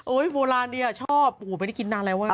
โอ้ยโบราณดีอ่ะชอบไม่ได้กินนานแล้ว